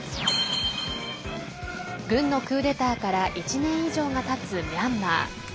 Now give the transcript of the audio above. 軍のクーデターから１年以上がたつミャンマー。